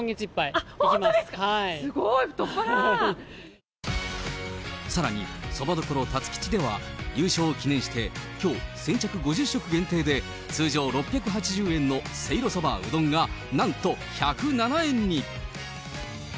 本当ですか、すごい、さらに、そば処たつ吉では、優勝を記念して、きょう、先着５０食限定で、通常６８０円のせいろそば・うどんが、なんと１０７円に。